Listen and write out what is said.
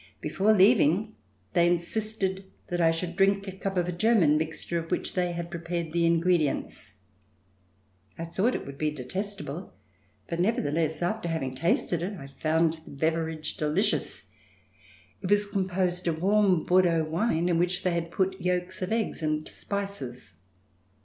Before leaving they insisted that I should drink a cup of a German mixture of which they had prepared the ingredients. I thought it would be detestable but nevertheless, after having tasted it, I found the beverage delicious. It was com posed of warm Bordeaux wine in which they had put yolks of eggs and spices.